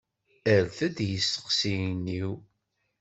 Err-d i yisteqsiyen-iw.